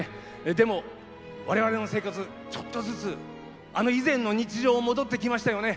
でも、我々の生活ちょっとずつ、あの以前の日常が戻ってきましたよね。